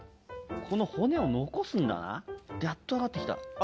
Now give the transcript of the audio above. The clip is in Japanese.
この骨を残すんだなやっと分かってきた。